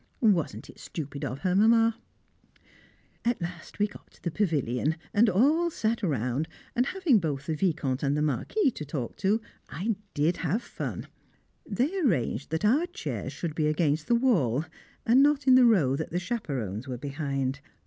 Wasn't it stupid of her, Mamma? [Sidenote: The Two Partners] At last we got to the pavilion, and all sat round, and having both the Vicomte and the Marquis to talk to, I did have fun. They arranged that our chairs should be against the wall, and not in the row that the chaperons were behind.